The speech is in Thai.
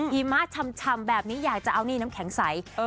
หิมะชำแบบนี้อยากจะเอานี่น้ำแข็งใส